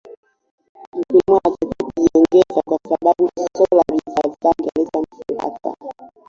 Mkulima anatakiwa kujiongeza kwa sababu soko la bidhaa zake halitamfuata